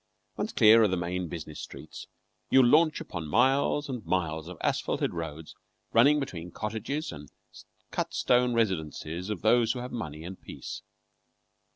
Once clear of the main business streets, you launch upon miles and miles of asphalted roads running between cottages and cut stone residences of those who have money and peace.